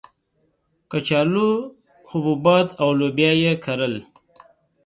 کچالو، حبوبات او لوبیا یې کرل.